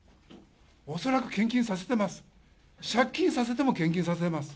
恐らく献金させてます。